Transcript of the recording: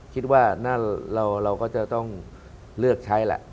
คิดว่าเราก็จะต้องเลือกใช้แหละ